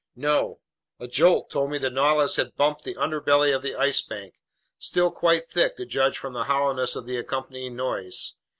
No. A jolt told me that the Nautilus had bumped the underbelly of the Ice Bank, still quite thick to judge from the hollowness of the accompanying noise.